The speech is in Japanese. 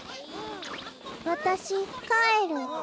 わたしかえる。